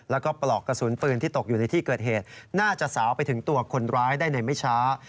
แล้วก็ปลอกกระสุนปืนที่ตกอยู่ในที่เกิดเหตุน่าจะสาวไปถึงตัวคนร้ายได้ในไม่ช้า